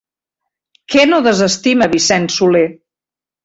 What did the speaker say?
Què no desestima Vicent Soler?